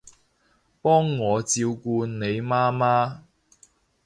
幫我照顧你媽媽